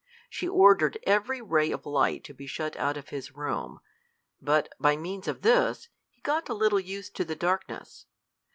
She ordered every ray of light to be shut out of his room; but by means of this he got a little used to the darkness.